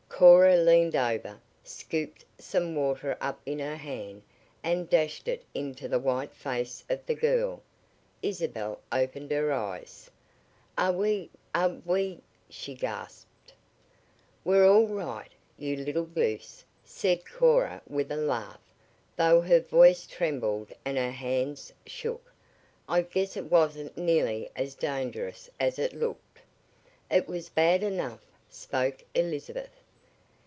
Cora leaned over, scooped some water up in her hand, and dashed it into the white face of the girl. Isabel opened her eyes. "Are we are we " she gasped. "We're all right, you little goose," said Cora with a laugh, though her voice trembled and her hands shook. "I guess it wasn't nearly as dangerous as it looked." "It was bad enough," spoke Elizabeth.